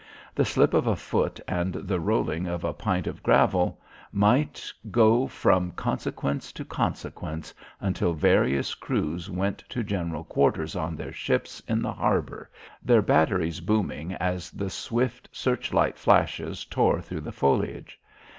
The slip of a foot and the rolling of a pint of gravel might go from consequence to consequence until various crews went to general quarters on their ships in the harbour, their batteries booming as the swift search light flashes tore through the foliage.